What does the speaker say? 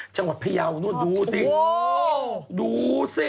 ชาววัดพยาวนู่นดูสิดูสิ